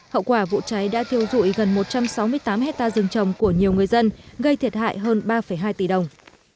hậu quả vụ cháy đã thiêu dụi gần một trăm sáu mươi tám hectare rừng trồng của nhiều người dân gây thiệt hại hơn ba hai tỷ đồng